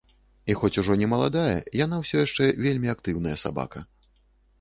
І хоць ужо не маладая, яна ўсё яшчэ вельмі актыўная сабака.